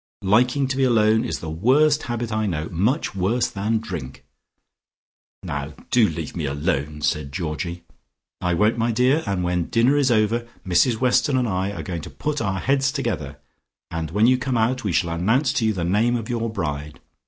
Liking to be alone is the worst habit I know; much worse than drink." "Now do leave me alone," said Georgie. "I won't, my dear, and when dinner is over Mrs Weston and I are going to put our heads together, and when you come out we shall announce to you the name of your bride.